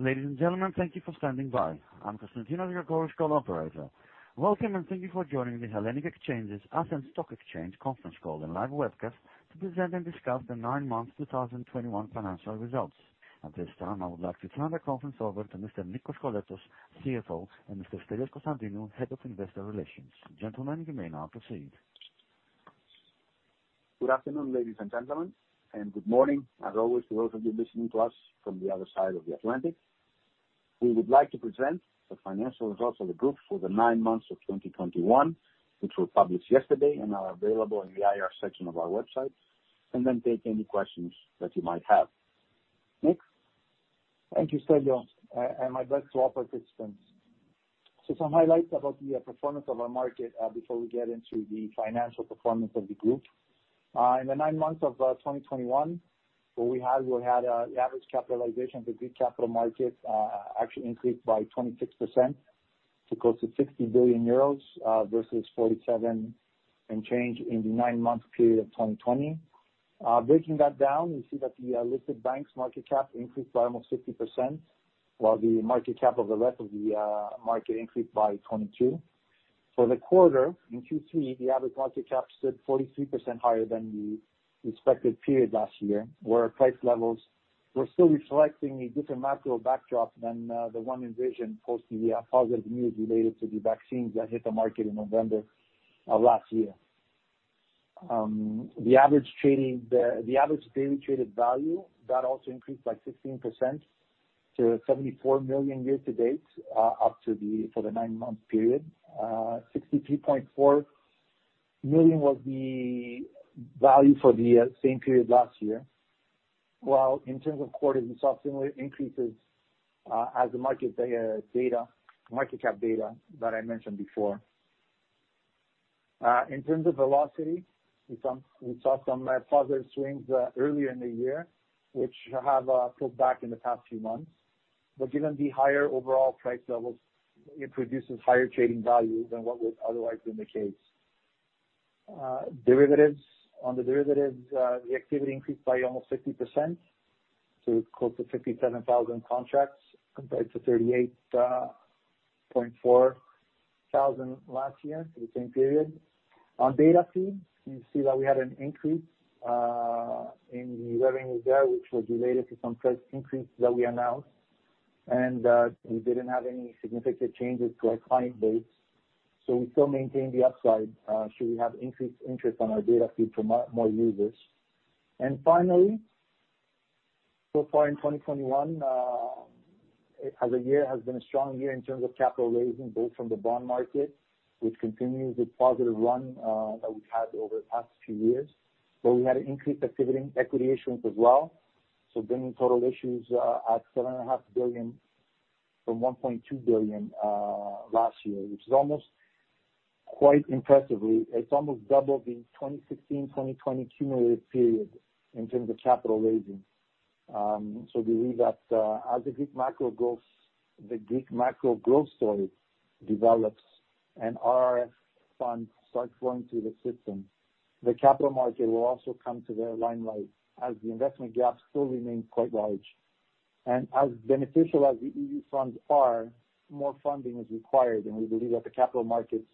Ladies and gentlemen, thank you for standing by. I'm Constantinos, your call's co-operator. Welcome, and thank you for joining the Hellenic Exchanges - Athens Stock Exchange conference call and live webcast to present and discuss the nine months 2021 financial results. At this time, I would like to turn the conference over to Mr. Nikos Koskoletos, CFO, and Mr. Stelios Konstantinou, Head of Investor Relations. Gentlemen, you may now proceed. Good afternoon, ladies and gentlemen, and good morning, as always, to those of you listening to us from the other side of the Atlantic. We would like to present the financial results of the group for the nine months of 2021, which were published yesterday and are available in the IR section of our website. Take any questions that you might have. Nick? Thank you, Stelios. My best to all participants. Some highlights about the performance of our market before we get into the financial performance of the group. In the nine months of 2021, the average capitalization for the capital markets actually increased by 26% to close to 60 billion euros versus 47 billion and change in the nine months period of 2020. Breaking that down, we see that the listed banks market cap increased by almost 50% while the market cap of the rest of the market increased by 22%. For the quarter, in Q3, the average market cap stood 43% higher than the respective period last year, where price levels were still reflecting a different macro backdrop than the one envisioned post the positive news related to the vaccines that hit the market in November of last year. The average daily traded value that also increased by 16% to 74 million year to date for the nine-month period. 63.4 million was the value for the same period last year. While in terms of quarters, we saw similar increases as the market data, market cap data that I mentioned before. In terms of velocity, we saw some positive swings earlier in the year, which have pulled back in the past few months. Given the higher overall price levels, it produces higher trading value than what would otherwise been the case. Derivatives. On the derivatives, the activity increased by almost 50% to close to 57,000 contracts, compared to 38.4 thousand last year for the same period. On data feed, you see that we had an increase in the revenues there, which was related to some price increase that we announced. We didn't have any significant changes to our client base, so we still maintain the upside, should we have increased interest on our data feed from more users. Finally, so far in 2021, as a year, has been a strong year in terms of capital raising, both from the bond market, which continues the positive run that we've had over the past few years. We had an increased activity in equity issuance as well, bringing total issues at 7.5 billion from 1.2 billion last year, which is almost quite impressively almost double the 2016-2020 cumulative period in terms of capital raising. I believe that as the Greek macro growth story develops and RRF funds start flowing through the system, the capital market will also come to the limelight as the investment gap still remains quite large. As beneficial as the EU funds are, more funding is required, and we believe that the capital markets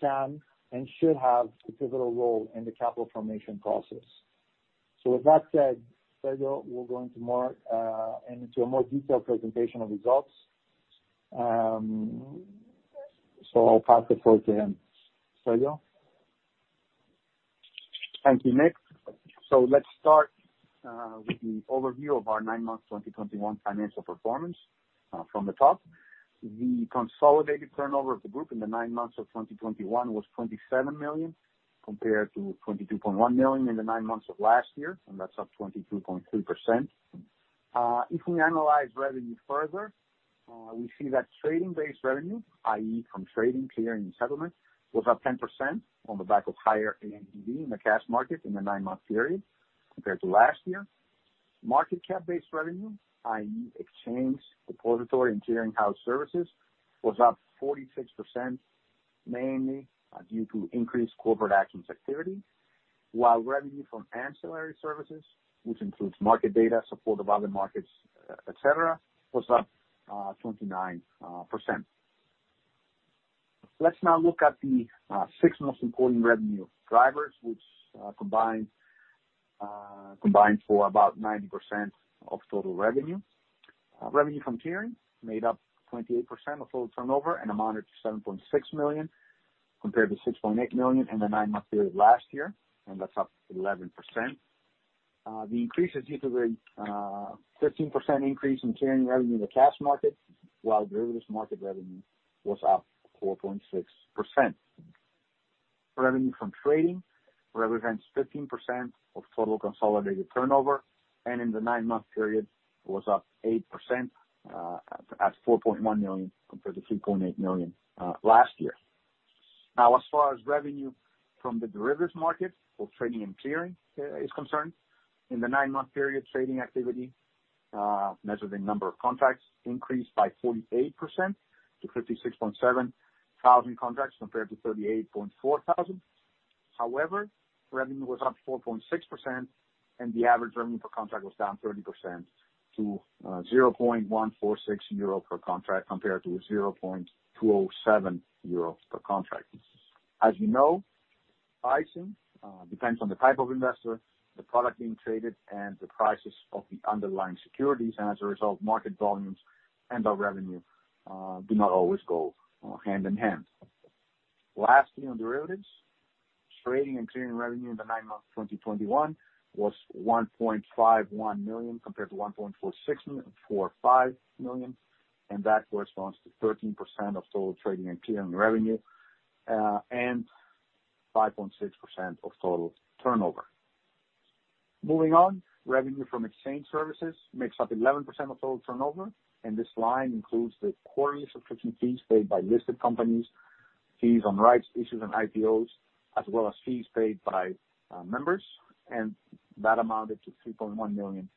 can and should have a pivotal role in the capital formation process. With that said, Stelios will go into a more detailed presentation of results. I'll pass the floor to him. Stelios. Thank you, Nick. Let's start with the overview of our nine months 2021 financial performance from the top. The consolidated turnover of the group in the nine months of 2021 was 27 million, compared to 22.1 million in the nine months of last year, and that's up 22.3%. If we analyze revenue further, we see that trading-based revenue, i.e., from trading, clearing, and settlement, was up 10% on the back of higher ADTV in the cash market in the nine-month period compared to last year. Market cap-based revenue, i.e., exchange depository and clearing house services, was up 46%, mainly due to increased corporate actions activity. While revenue from ancillary services, which includes market data, support of other markets, et cetera, was up 29%. Let's now look at the six most important revenue drivers, which combined for about 90% of total revenue. Revenue from clearing made up 28% of total turnover and amounted to 7.6 million, compared to 6.8 million in the nine-month period last year, and that's up 11%. The increase is due to a 13% increase in clearing revenue in the cash market, while derivatives market revenue was up 4.6%. Revenue from trading represents 15% of total consolidated turnover, and in the nine-month period was up 8% at 4.1 million, compared to 3.8 million last year. Now, as far as revenue from the derivatives market for trading and clearing is concerned, in the nine-month period, trading activity measured in number of contracts increased by 48% to 56,700 contracts compared to 38,400. However, revenue was up 4.6% and the average revenue per contract was down 30% to 0.146 euro EUR/contract compared to 0.207 euro/contract. As you know, pricing depends on the type of investor, the product being traded, and the prices of the underlying securities, and as a result, market volumes and our revenue do not always go hand in hand. Lastly, on derivatives, trading and clearing revenue in the nine months of 2021 was 1.51 million compared to 1.45 million, and that corresponds to 13% of total trading and clearing revenue, and 5.6% of total turnover. Moving on, revenue from exchange services makes up 11% of total turnover, and this line includes the quarterly subscription fees paid by listed companies, fees on rights issues and IPOs, as well as fees paid by members. That amounted to 3.1 million,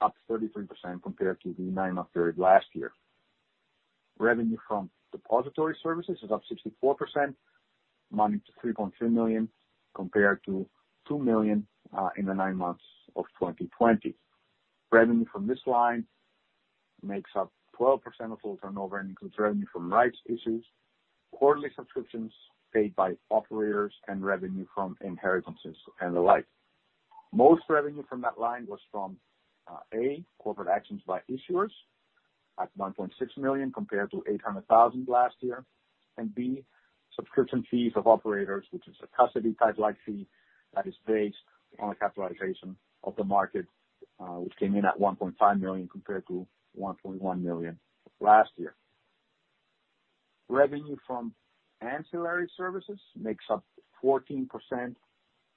up 33% compared to the nine-month period last year. Revenue from depository services is up 64%, amounting to 3.3 million compared to 2 million in the nine months of 2020. Revenue from this line makes up 12% of total turnover, and includes revenue from rights issues, quarterly subscriptions paid by operators, and revenue from inheritances and the like. Most revenue from that line was from A, corporate actions by issuers at 1.6 million compared to 800 thousand last year, and B, subscription fees of operators, which is a custody type like fee that is based on the capitalization of the market, which came in at 1.5 million compared to 1.1 million last year. Revenue from ancillary services makes up 14%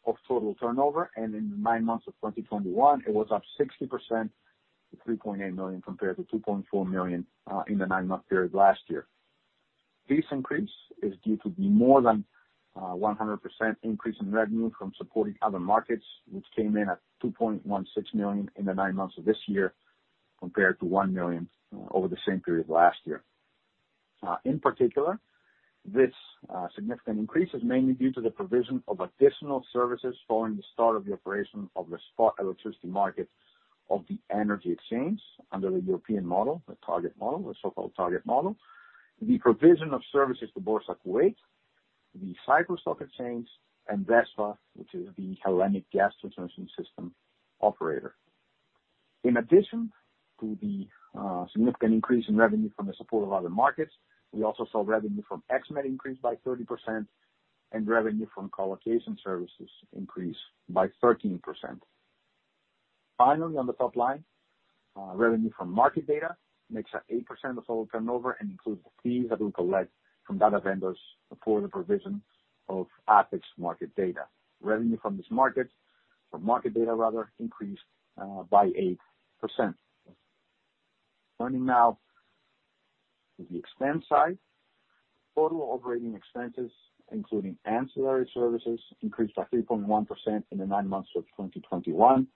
of total turnover, and in the nine months of 2021, it was up 60% to 3.8 million compared to 2.4 million in the nine-month period last year. This increase is due to the more than 100% increase in revenue from supporting other markets, which came in at 2.16 million in the nine months of this year, compared to 1 million over the same period last year. In particular, this significant increase is mainly due to the provision of additional services following the start of the operation of the spot electricity market of the energy exchange under the European model, the Target Model, the so-called Target Model, the provision of services to Boursa Kuwait, the Cyprus Stock Exchange, and DESFA, which is the Hellenic Gas Transmission System Operator. In addition to the significant increase in revenue from the support of other markets, we also saw revenue from Xnet increase by 30% and revenue from colocation services increase by 13%. Finally, on the top line, revenue from market data makes up 8% of total turnover and includes the fees that we collect from data vendors for the provision of Athens market data. Revenue from this market, from market data rather, increased by 8%. Turning now to the expense side. Total operating expenses, including ancillary services, increased by 3.1% in the nine months of 2021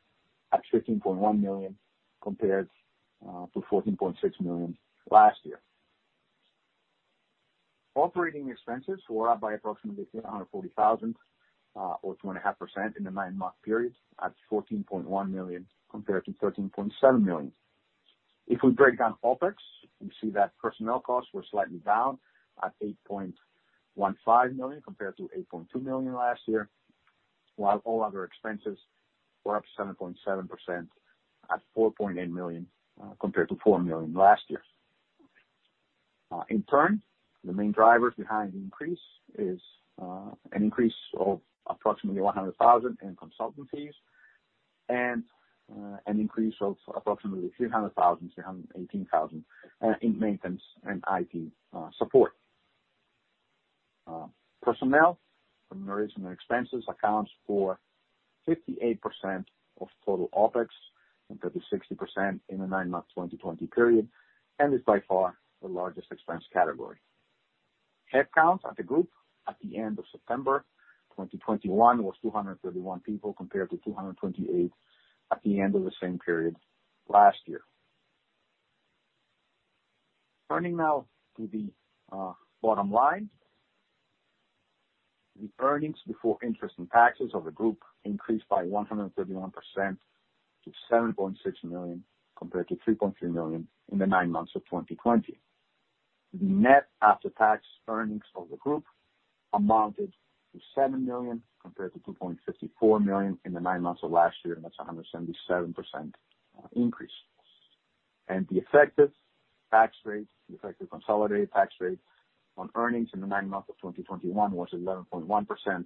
at 13.1 million compared to 14.6 million last year. Operating expenses were up by approximately 340,000 or 2.5% in the nine-month period at 14.1 million compared to 13.7 million. If we break down OpEx, we see that personnel costs were slightly down at 8.15 million compared to 8.2 million last year, while all other expenses were up 7.7% at 4.8 million compared to 4 million last year. In turn, the main drivers behind the increase is an increase of approximately 100,000 in consultant fees and an increase of approximately 318,000 in maintenance and IT support. Personnel, remuneration and expenses accounts for 58% of total OpEx, compared to 60% in the nine-month 2020 period, and is by far the largest expense category. Headcount at the group at the end of September 2021 was 231 people, compared to 228 at the end of the same period last year. Turning now to the bottom line. The earnings before interest and taxes of the group increased by 131% to 7.6 million, compared to 3.3 million in the nine months of 2020. The net after-tax earnings of the group amounted to 7 million, compared to 2.54 million in the nine months of last year. That's a 177% increase. The effective tax rate, the effective consolidated tax rate on earnings in the nine months of 2021 was 11.1%,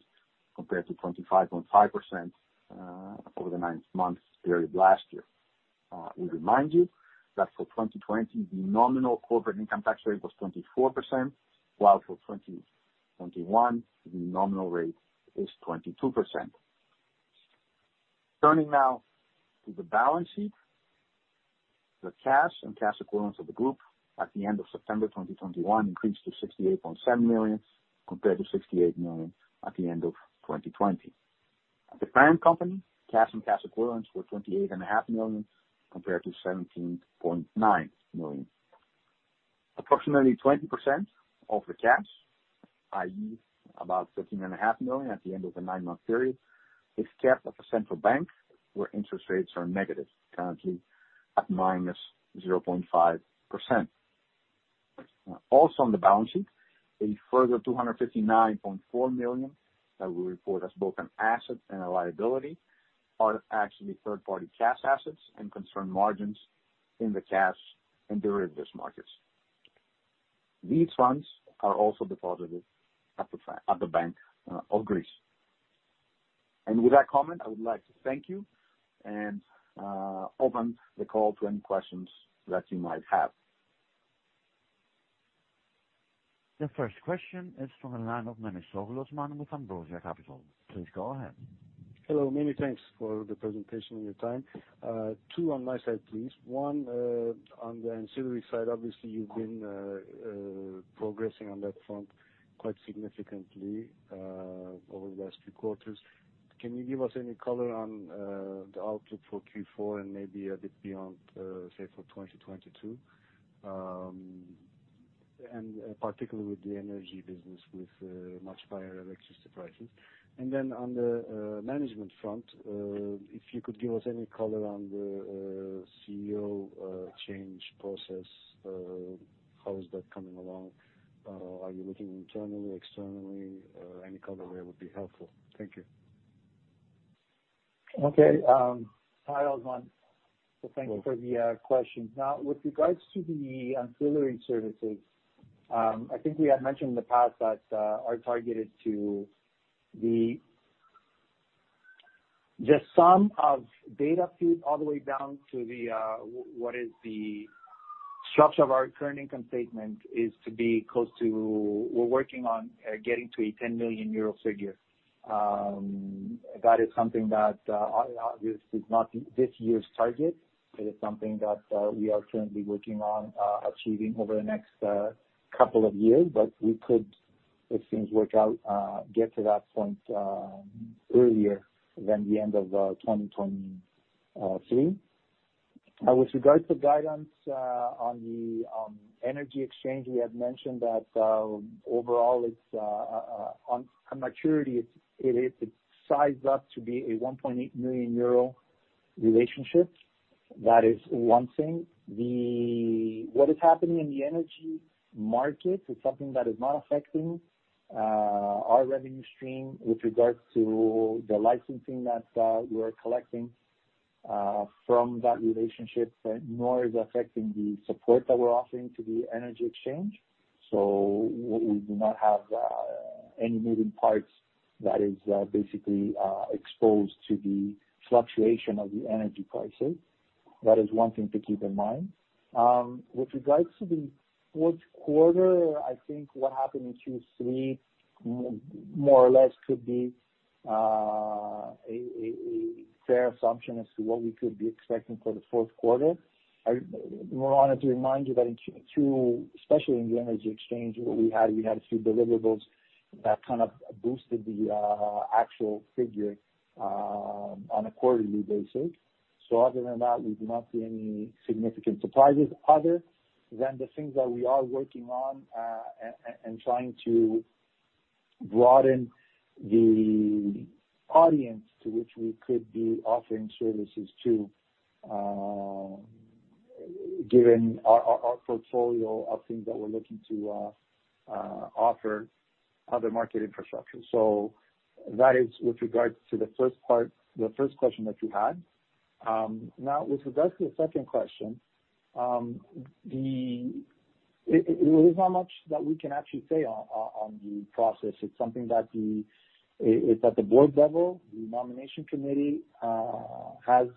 compared to 25.5% over the nine months period last year. We remind you that for 2020, the nominal corporate income tax rate was 24%, while for 2021, the nominal rate is 22%. Turning now to the balance sheet. The cash and cash equivalents of the group at the end of September 2021 increased to 68.7 million, compared to 68 million at the end of 2020. At the parent company, cash and cash equivalents were 28.5 million, compared to 17.9 million. Approximately 20% of the cash, i.e., about 13.5 million at the end of the nine-month period, is kept at the central bank, where interest rates are negative, currently at -0.5%. Also on the balance sheet, a further 259.4 million that we report as both an asset and a liability are actually third-party cash assets and concern margins in the cash and derivatives markets. These funds are also deposited at the Bank of Greece. With that comment, I would like to thank you and open the call to any questions that you might have. The first question is from the line of [Menis Souvlosman] with Ambrosia Capital. Please go ahead. Hello. Many thanks for the presentation and your time. Two on my side, please. One, on the ancillary side, obviously you've been progressing on that front quite significantly over the last two quarters. Can you give us any color on the outlook for Q4 and maybe a bit beyond, say, for 2022? Particularly with the energy business with much higher electricity prices. On the management front, if you could give us any color on the CEO change process, how is that coming along? Are you looking internally, externally? Any color there would be helpful. Thank you. Okay. Hi, Osman. Thanks for the questions. Now, with regards to the ancillary services, I think we had mentioned in the past that our target is the sum of data feeds all the way down to the Xnet, what is the structure of our current income statement, is to be close to. We're working on getting to a 10 million euro figure. That is something that obviously is not this year's target. It is something that we are currently working on achieving over the next couple of years, but we could, if things work out, get to that point earlier than the end of 2023. Now, with regards to guidance, on the energy exchange, we had mentioned that, overall it's on maturity, it's sized up to be a 1.8 million euro relationship. That is one thing. What is happening in the energy market is something that is not affecting our revenue stream with regards to the licensing that we are collecting from that relationship, nor is affecting the support that we're offering to the energy exchange. We do not have any moving parts that is basically exposed to the fluctuation of the energy prices. That is one thing to keep in mind. With regards to the fourth quarter, I think what happened in Q3 more or less could be a fair assumption as to what we could be expecting for the fourth quarter. Moving on to remind you that in Q-Q, especially in the energy exchange, what we had, we had a few deliverables that kind of boosted the actual figure on a quarterly basis. Other than that, we do not see any significant surprises other than the things that we are working on and trying to broaden the audience to which we could be offering services to, given our portfolio of things that we're looking to offer other market infrastructure. That is with regards to the first part, the first question that you had. Now with regards to the second question, the. It, there's not much that we can actually say on the process. It's something that. It's at the board level. The nomination committee has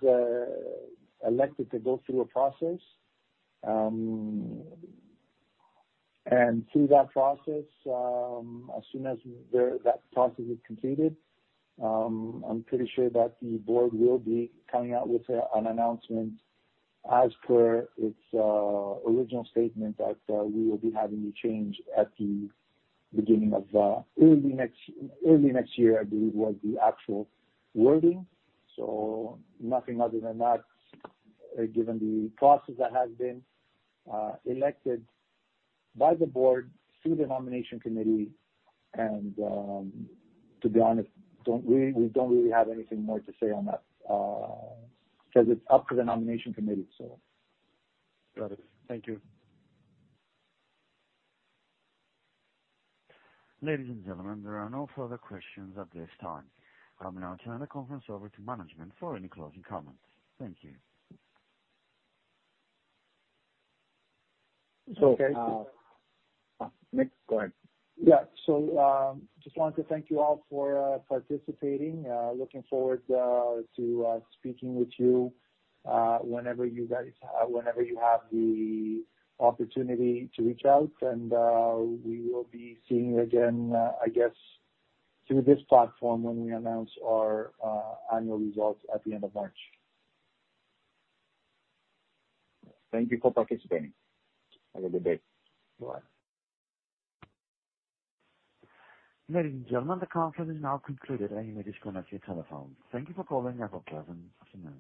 elected to go through a process, and through that process, as soon as that process is completed, I'm pretty sure that the board will be coming out with an announcement as per its original statement that we will be having a change at the beginning of early next year, I believe, was the actual wording. Nothing other than that, given the process that has been elected by the board through the nomination committee, and to be honest, we don't really have anything more to say on that, 'cause it's up to the nomination committee. Got it. Thank you. Ladies and gentlemen, there are no further questions at this time. I'll now turn the conference over to management for any closing comments. Thank you. So, uh. Nick, go ahead. Yeah. Just wanted to thank you all for participating. Looking forward to speaking with you whenever you guys have the opportunity to reach out. We will be seeing you again, I guess, through this platform when we announce our annual results at the end of March. Thank you for participating. Have a good day. Bye-bye. Ladies and gentlemen, the conference is now concluded, and you may disconnect your telephone. Thank you for calling Apple Plaza. Goodbye.